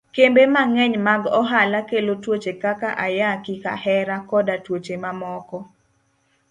Kembe mang'eny mag ohala kelo tuoche kaka ayaki, kahera, koda tuoche mamoko.